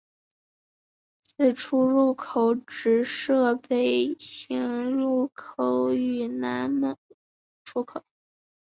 此出入口只设北行入口与南行出口。